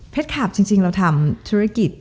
เพชรคลับจริงเราทำธุรกิจ